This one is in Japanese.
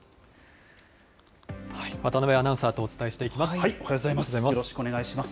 渡辺アナウンサーとお伝えしていきます。